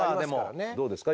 どうですか？